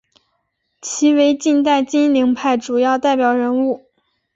其为近代金陵派主要代表人物。